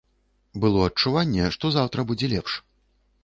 Было адчуванне, што заўтра будзе лепш.